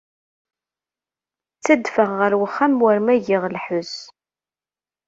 Ttadfeɣ ɣer uxxam war ma giɣ lḥess.